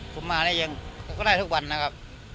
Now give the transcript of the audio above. ผมมาก็ได้ทุกวันนะครับ